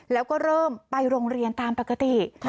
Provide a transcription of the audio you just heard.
แล้วก็เริ่มไปโรงเรียนตามปกติ